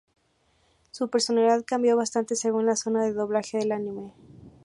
Su personalidad cambió bastante según la zona de doblaje del anime.